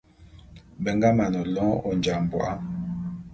Be nga mane lôn Ojambô'a.